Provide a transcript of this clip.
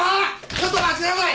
ちょっと待ちなさい。